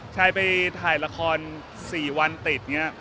ชัยไปถ่ายละคร๔วันติดเนี่ย